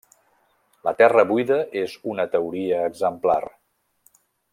La terra buida és una teoria exemplar.